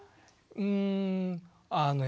うんあの